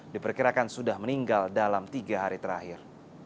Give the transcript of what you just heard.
diperkirakan sudah meninggal dalam tiga hari terakhir